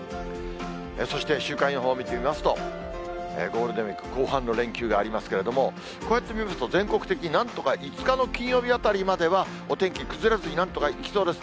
そして週間予報見てみますと、ゴールデンウィーク後半の連休がありますけれども、こうやって見ると、全国的になんとか５日の金曜日あたりまでは、お天気崩れずになんとかいきそうです。